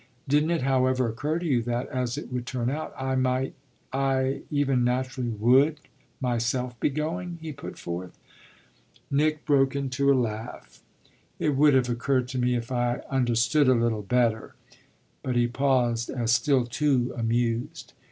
"Didn't it, however, occur to you that, as it would turn out, I might I even naturally would myself be going?" he put forth. Nick broke into a laugh. "It would have occurred to me if I understood a little better !" But he paused, as still too amused.